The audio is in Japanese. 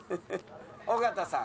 尾形さん。